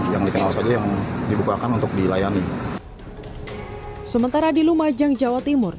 yang dikenal saja yang dibukakan untuk dilayani sementara di lumajang jawa timur